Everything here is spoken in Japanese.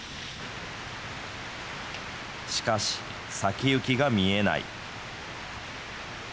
しかし、先行きが見えない。